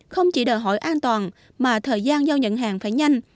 không chỉ đòi hỏi an toàn mà thời gian giao nhận hàng phải nhanh